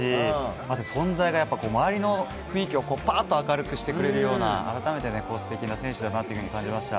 あと、存在が周りの雰囲気をパッと明るくしてくれるような改めて素敵な選手だなと感じました。